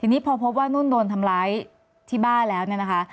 ทีนี้พอพบว่านุ่นโดนทำร้ายที่บ้านแล้ว